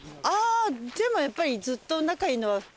ああでもやっぱりずっと仲いいのは。